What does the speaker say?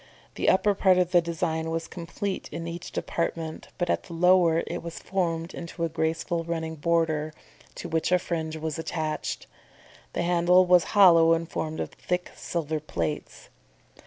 The upper part of the design was complete in each department, but at the lower, it was formed into a graceful running border, to which a fringe was attached. The handle was hollow and formed of thick silver plates.